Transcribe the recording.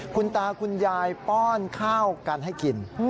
คุณตาคุณยายป้อนข้าวกันให้กิน